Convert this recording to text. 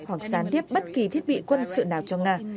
hoặc gián tiếp bất kỳ thiết bị quân sự nào cho nga